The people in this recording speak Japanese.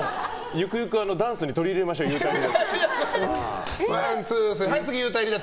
ゆくゆくダンスに取り入れましょう、幽体離脱。